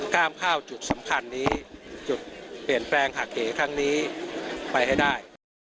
ก้าวเข้าจุดสำคัญนี้จุดเปลี่ยนแปลงหักเก๋ครั้งนี้ไปให้ได้